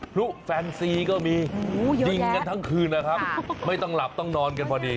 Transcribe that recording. พลุแฟนซีก็มียิงกันทั้งคืนนะครับไม่ต้องหลับต้องนอนกันพอดี